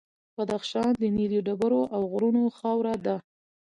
بدخشان د نیلي ډبرو او غرونو خاوره ده.